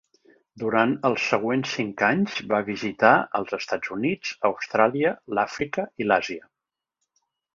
Durant els següents cinc anys va visitar els Estats Units, Austràlia, l'Àfrica i l'Àsia.